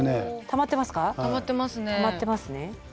たまってますね。